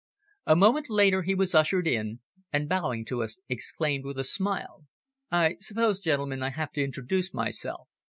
A moment later he was ushered in, and bowing to us exclaimed with a smile "I suppose, gentlemen, I have to introduce myself.